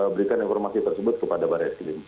berikan informasi tersebut kepada barreskrim